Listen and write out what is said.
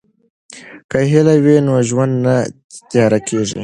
که هیله وي نو ژوند نه تیاره کیږي.